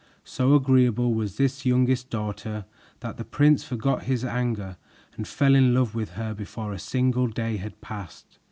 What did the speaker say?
So agreeable was this youngest daughter that the prince forgot his anger and fell in love with her before a single day had passed.